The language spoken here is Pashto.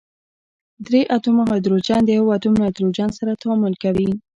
درې اتومه هایدروجن د یوه اتوم نایتروجن سره تعامل کوي.